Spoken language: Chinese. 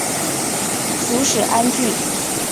属始安郡。